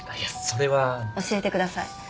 それは。教えてください。